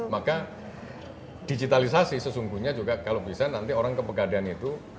maka digitalisasi sesungguhnya juga kalau bisa nanti orang ke pegadaian itu